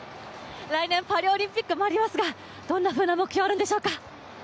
来年パリオリンピックもありますが、どんな目標があるんでしょうか。